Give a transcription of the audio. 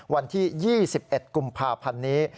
วันที่๒๑กุมภาพันธ์นี้